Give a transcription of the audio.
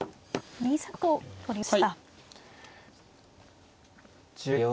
２三角と取りました。